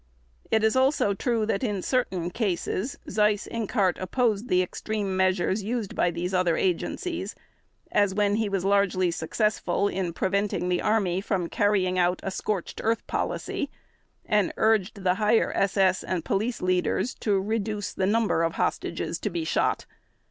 It is also true that in certain cases Seyss Inquart opposed the extreme measures used by these other agencies, as when he was largely successful in preventing the Army from carrying out a scorched earth policy, and urged the Higher SS and Police Leaders to reduce the number of hostages to be shot.